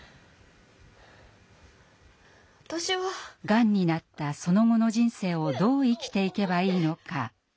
がんになったその後の人生をどう生きていけばいいのか。